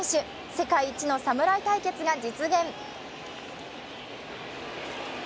世界一の侍対決が実現。